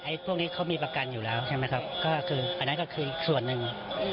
พวกนี้เขามีประกันอยู่แล้วใช่ไหมครับก็คืออันนั้นก็คือส่วนหนึ่ง